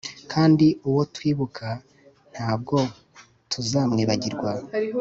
Kandi uwo twibuka ntaabwo tuzamwibagirwa